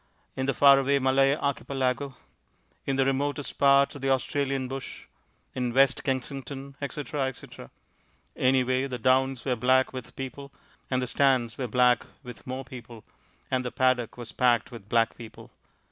In the far away Malay Archipelago... in the remotest parts of the Australian bush... in West Kensington... etc., etc. Anyway, the downs were black with people, and the stands were black with more people, and the paddock was packed with black people.